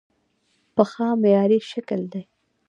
پښه معیاري شکل دی.